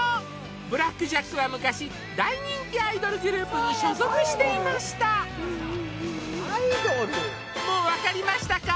ブラック・ジャックは昔大人気アイドルグループに所属していましたもうわかりましたか？